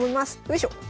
よいしょ。